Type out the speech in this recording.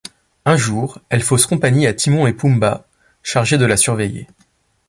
Un jour, elle fausse compagnie à Timon et Pumbaa, chargés de la surveiller.